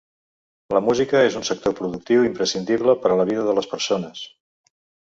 La música és un sector productiu imprescindible per a la vida de les persones.